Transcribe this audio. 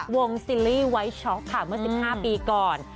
ซีรีส์ไว้ช็อกค่ะเมื่อ๑๕ปีก่อน